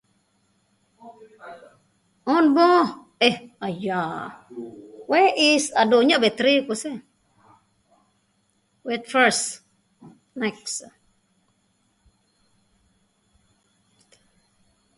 This arachidonic acid is then metabolized to form several inflammatory and thrombogenic molecules.